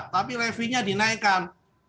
tapi levy nya dinaikkan